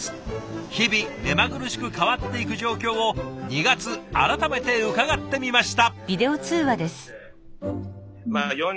日々目まぐるしく変わっていく状況を２月改めて伺ってみました。